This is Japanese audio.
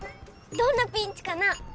どんなピンチかな？